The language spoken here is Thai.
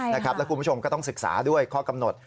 แล้วคุณผู้ชมก็ต้องศึกษาด้วยข้อกำหนด